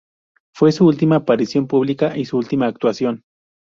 Fue su última aparición pública y su última actuación.